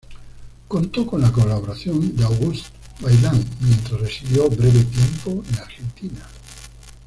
Contó con la colaboración de Auguste Vaillant, mientras residió breve tiempo en Argentina.